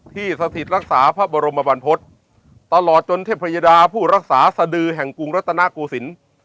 สถิตรักษาพระบรมบรรพฤษตลอดจนเทพยดาผู้รักษาสดือแห่งกรุงรัตนโกศิลป์